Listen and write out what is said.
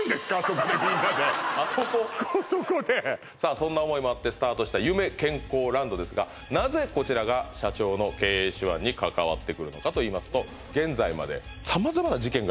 そんな思いもあってスタートした夢健康ランドですがなぜこちらが社長の経営手腕に関わってくるのかといいますと現在まで何が？